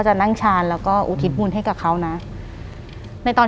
หลังจากนั้นเราไม่ได้คุยกันนะคะเดินเข้าบ้านอืม